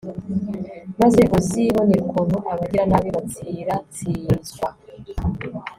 maze uzibonere ukuntu abagiranabi batsiratsizwa